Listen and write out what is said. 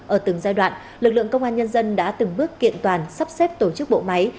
ở từng giai đoạn lực lượng công an nhân dân đã từng bước kiện toàn sắp xếp tổ chức bộ máy